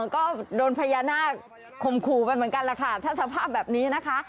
ก็โดนพญานาคข่มขู่ไปเหมือนกันแหละค่ะถ้าสภาพแบบนี้นะคะ